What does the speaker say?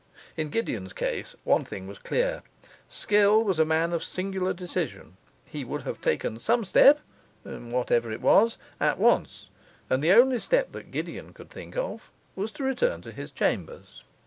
In Gideon's case one thing was clear: Skill was a man of singular decision, he would have taken some step (whatever it was) at once; and the only step that Gideon could think of was to return to his chambers.